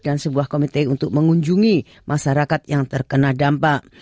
dan sebuah komite untuk mengunjungi masyarakat yang terkena dampak